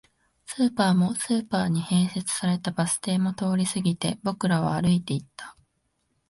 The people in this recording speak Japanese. スーパーも、スーパーに併設されたバス停も通り過ぎて、僕らは歩いていった